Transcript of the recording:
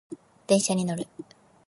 電車に乗る